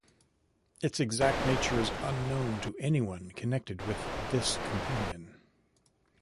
Its exact nature is unknown to anyone connected with this Companion.